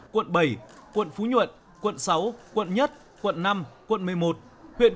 quận bảy quận phú nhuận quận sáu quận một quận năm quận một mươi một huyện